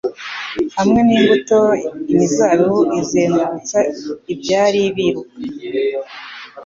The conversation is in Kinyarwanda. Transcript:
Hamwe n'imbuto imizabibu izengurutsa ibyatsi biruka;